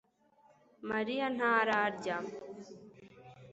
Mariya ntararya